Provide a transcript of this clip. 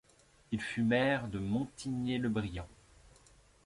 Il fut maire de Montigné-le-Brillant.